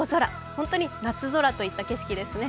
本当に夏空といった景色ですね。